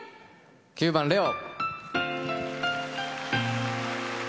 ９番「レオ」。